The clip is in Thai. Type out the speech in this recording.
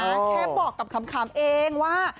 แคปบอกกับคำคำเองว่า